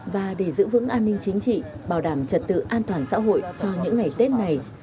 và để giữ vững an ninh chính trị bảo đảm trật tự an toàn xã hội cho những ngày tết này